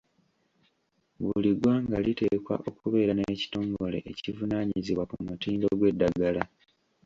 Buli ggwanga liteekwa okubeera n’ekitongole ekivunaanyizibwa ku mutindo gw’eddagala.